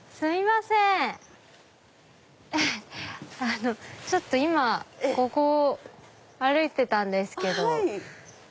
あのちょっと今ここを歩いてたんですけど。